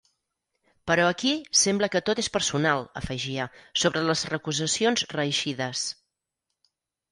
Però aquí sembla que tot és personal, afegia, sobre les recusacions reeixides.